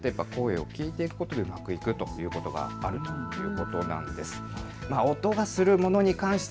そうやって声を聞いていくことでうまくいくということもあるんです。